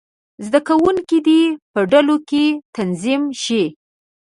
زده کوونکي دې په ډلو کې تنظیم شي.